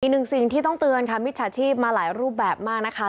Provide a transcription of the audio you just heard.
หนึ่งสิ่งที่ต้องเตือนค่ะมิจฉาชีพมาหลายรูปแบบมากนะคะ